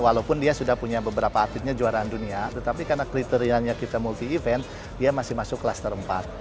walaupun dia sudah punya beberapa atletnya juara dunia tetapi karena kriterianya kita multi event dia masih masuk klaster empat